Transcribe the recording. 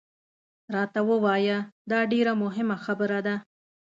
راته ووایه، دا ډېره مهمه خبره ده.